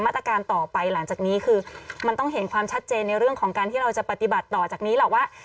ตรการต่อไปหลังจากนี้คือมันต้องเห็นความชัดเจนในเรื่องของการที่เราจะปฏิบัติต่อจากนี้หรอกว่า